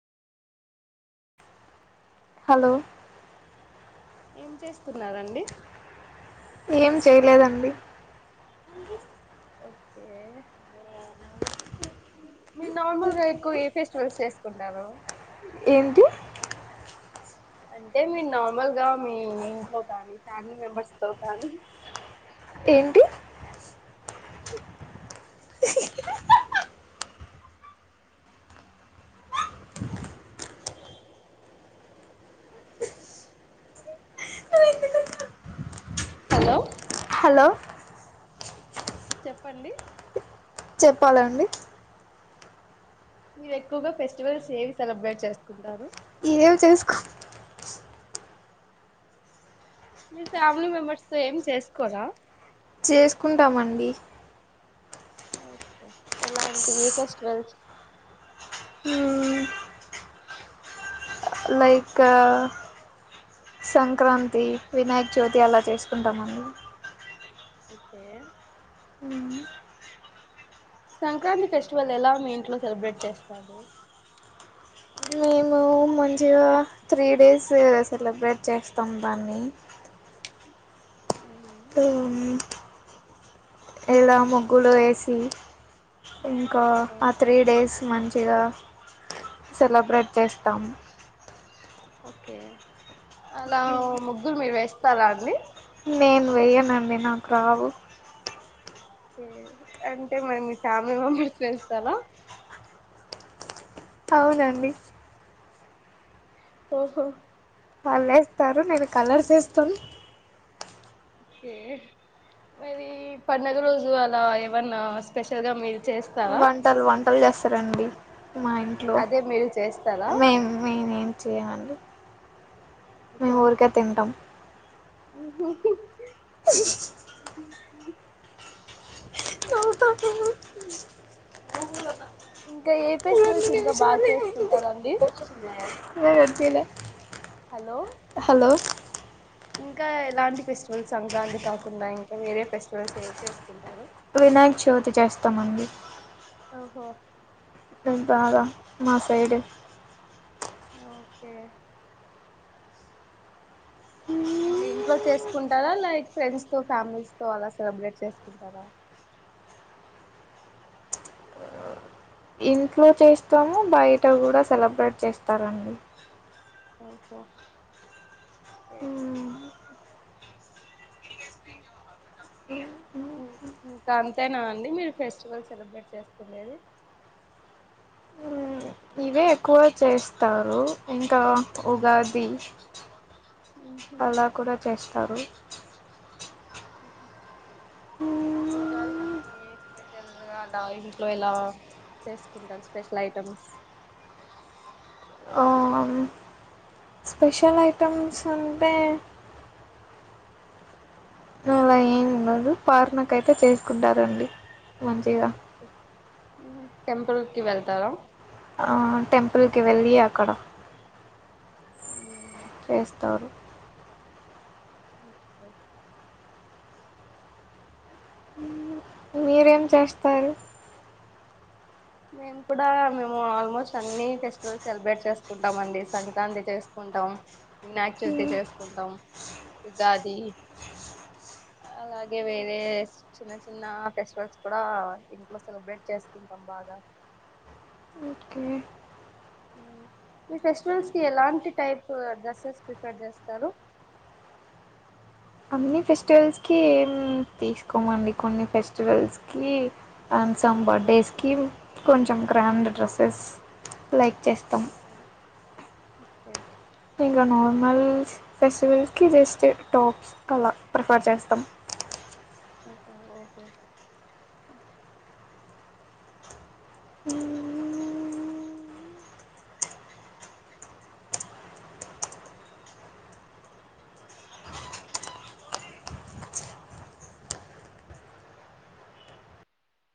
Hello ఏం చేస్తున్నారు అండి ఏం చేయలేదండి. ఓకే మీరు నార్మల్గా ఎక్కువ ఏ ఫెస్టివల్స్ చేసుకుంటారు. ఏంటి అంటే మీరు నార్మల్ గా మీ ఇంట్లో కానీ ఫ్యామిలీ మెంబర్స్ త కానీ ఏంటి హలో హలో చెప్పండి. చెప్పాలండి. మీరు ఎక్కువగా ఫెస్టివల్స్ ఏవి సెలబ్రేట్ చేసుకుంటారు. ఏమి చేసుకొం మీ ఫ్యామిలీ మెంబెర్స్ తో ఏం చేసుకోరా చేసుకుంటామండి. ఒకే కే ఎలా ఉంటి ఏ ఫెస్టివల్స్ మ్మ్ లైక్ సంక్రాంతి, వినాయక చవితి అలా చేసుకుంటామండి. ఒకే సంక్రాంతి ఫెస్టివల్ ఎలా మీ ఇంట్లో సెలబ్రేట్ చేస్తారూ మేము మంచిగా త్రీ డేస్ సెలబ్రేట్ చేస్తాం దాన్ని హు ఇలా ముగ్గులు వేసి ఇంకా ఆ ఓకే త్రీ డేస్ మంచిగా సెలబ్రేట్ చేస్తాము. ఓకే అలా ముగ్గురు మీరు వేస్తారా అండి నేను వెయ్యానండి నాకు రావు ఒకే అంటే మరి మీ ఫ్యామిలీ మెంబర్స్ వస్తారా అవునండి. ఓహో వాళ్ళు ఏస్తారు నేను కలర్స్ ఏస్తాను. ఓకే మీది పండగ రోజు అలా ఏమన్నా స్పెషల్ గా మీరు చేస్తారా వంటలు వంటలు చేస్తారండి మా ఇంట్లో అదే మీరు చేస్తారా మేము మేమే చెయ్యండి మేము ఓహో ఊరికే తింటాం ఇంకా ఏ ఫెస్టివల్స్ ఇంకా బాగా చేసుకుంటారండి నే వద్దిన హలో హలో ఇంకా ఎలాంటి ఫెస్టివల్స్ సంక్రాంతి కాకుండా ఇంకా వేరే ఫెస్టివల్స్ ఏవి చేసుకుంటారు వినాయక్ చవితి చేస్తామండి ఓహో అ బాగా మా సైడు ఓకే అంటే ఇంట్లో చేసుకుంటరా లైక్ ఫ్రెండ్స్ తో ఫ్యామిలీస్ తో అలా సెలబ్రేట్ చేసుకుంటారా ఇంట్లో చేస్తాము బయట కూడా సెలబ్రేట్ చేస్తారండి ఓహో ఉ ఇంకా అంతేనా అండి మీరు ఫెస్టివల్ సెలబ్రేట్ చేసుకునేది అంటే ఎక్కువ చేస్తారు ఇంకా ఉగాది అలా కూడా చేస్తారు ఈసారి స్పెషల్ గా అలా ఇంట్లో ఇలా చేసుకుంటారు స్పెషల్ ఐటమ్స్ స్పెషల్ ఐటమ్స్ ఉంటే అలా ఏమిండదు పార్నక్ అయితే చేసుకుంటారండి మంచిగా టెంపుల్ కి వెళ్తారా ఆ టెంపుల్ కి వెళ్లి అక్కడ చేస్తారు మీరేం చేస్తారు మేము కూడా మేము ఆల్మోస్ట్ అన్ని ఫెస్టివల్ సెలబ్రేట్ చేసుకుంటాం అండి సంక్రాంతి చేసుకుంటాం వినాయక చవితి చేసుకుంటాం ఉగాది అలాగే వేరే చిన్న చిన్న ఫెస్టివల్స్ కూడా ఇంట్లో సెలబ్రేట్ చేసుకుంటాం బాగా ఓకే మీ ఫెస్టివల్స్ కి ఎలాంటి టైప్ డ్రెస్సెస్ ప్రిఫర్ చేస్తారు అన్ని ఫెస్టివల్స్ కి ఏం తీసుకోమండి కొన్ని ఫెస్టివల్స్ కి అండ్ సమ్ ఓకే బర్త్డేస్ కి కొంచెం గ్రాండ్ డ్రెస్సెస్ లైక్ చేస్తాం ఓకే ఇంకా నార్మల్ ఫెస్టివల్స్ కి జస్ట్ టాప్స్ కలా ప్రిఫర్ చేస్తాం ఓహో ఓకే